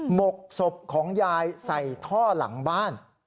หกศพของยายใส่ท่อหลังบ้าน